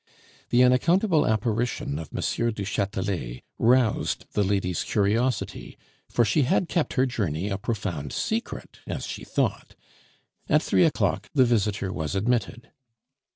The unaccountable apparition of M. du Chatelet roused the lady's curiosity, for she had kept her journey a profound secret, as she thought. At three o'clock the visitor was admitted.